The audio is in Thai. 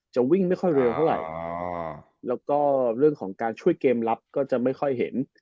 จะวิ่งไม่ค่อยเร็วเท่าไหร่แล้วก็เรื่องของการช่วยเกมรับก็จะไม่ค่อยเห็น